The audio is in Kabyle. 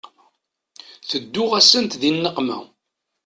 Tedduɣ-asent di nneqma.